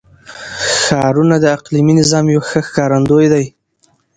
ښارونه د اقلیمي نظام یو ښه ښکارندوی دی.